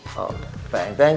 teng teng teng